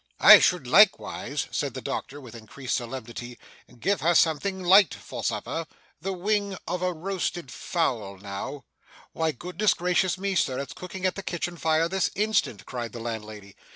I should likewise,' said the doctor with increased solemnity, 'give her something light for supper the wing of a roasted fowl now ' 'Why, goodness gracious me, sir, it's cooking at the kitchen fire this instant!' cried the landlady.